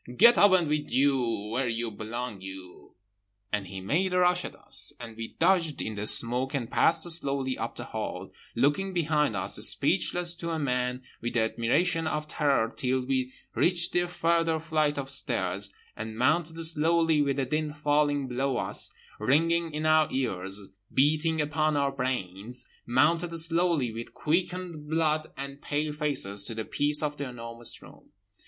Get up with you where you belong, you…." —And he made a rush at us, and we dodged in the smoke and passed slowly up the hall, looking behind us, speechless to a man with the admiration of Terror till we reached the further flight of stairs; and mounted slowly, with the din falling below us, ringing in our ears, beating upon our brains—mounted slowly with quickened blood and pale faces—to the peace of The Enormous Room.